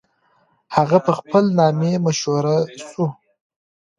هغه په خپل نامې مشهور سو.